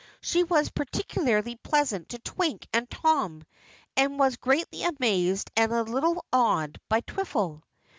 She was particularly pleasant to Twink and Tom and was greatly amazed and a little awed by Twiffle.